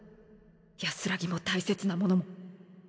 安らぎも大切なものも。